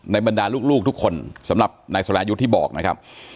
บรรดาลูกทุกคนสำหรับนายสรายุทธ์ที่บอกนะครับ